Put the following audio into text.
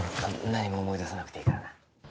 何も思い出さなくていいからな